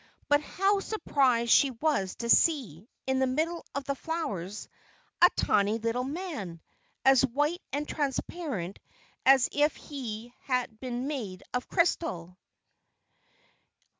But how surprised she was to see, in the middle of the flowers, a tiny little man, as white and transparent as if he had been made of crystal!